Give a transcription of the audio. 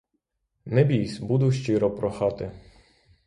Не бійсь, буду щиро прохати.